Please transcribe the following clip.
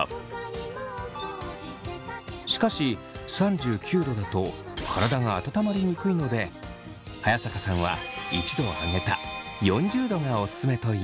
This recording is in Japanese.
しかし３９℃だと体があたたまりにくいので早坂さんは１℃上げた４０℃がおすすめと言います。